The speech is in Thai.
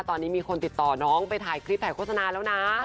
ตอนนี้มีคนติดต่อน้องไปถ่ายคลิปถ่ายโฆษณาแล้วนะ